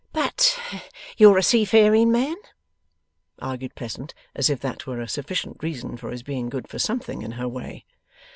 'But you're a seafaring man?' argued Pleasant, as if that were a sufficient reason for his being good for something in her way.